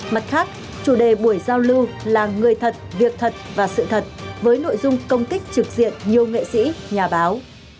mặt khác chủ đề buổi giao lưu là người thật việc thật và sự thật với nội dung công kích trực diện nhiều nghệ sĩ nhà báo